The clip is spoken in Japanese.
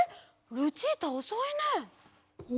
ルチータおそいね。